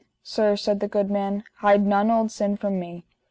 Sir, said the good man, hide none old sin from me.